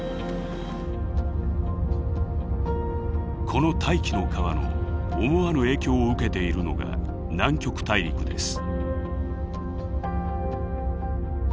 この「大気の川」の思わぬ影響を受けているのが南極大陸です。